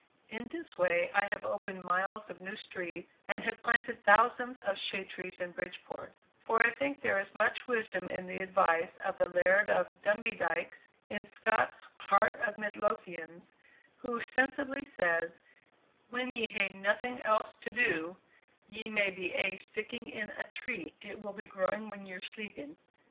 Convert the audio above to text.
In this way, I have opened miles of new streets, and have planted thousands of shade trees in Bridgeport; for I think there is much wisdom in the advice of the Laird of Dumbiedikes, in Scott's "Heart of Mid Lothian," who sensibly says: "When ye hae naething else to do, ye may be aye sticking in a tree; it will be growing when ye're sleeping."